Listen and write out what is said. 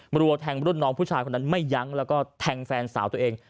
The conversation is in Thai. รัวแทงรุ่นน้องผู้ชายคนนั้นไม่ยั้งแล้วก็แทงแฟนสาวตัวเอง